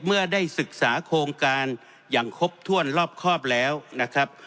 เมื่อได้ศึกษาโครงการอย่างครบถ้วนรอบครอบแล้วนะครับ